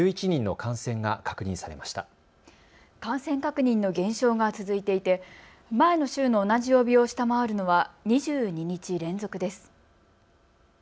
感染確認の減少が続いていて前の週の同じ曜日を下回るのは２２日連続です。